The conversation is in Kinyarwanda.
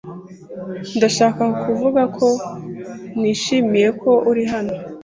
Ndashaka kuvuga ko nishimiye ko uri hano.